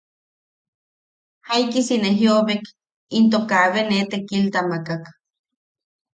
Jaikisi ne jiʼobek into kaabe ne tekilta makak.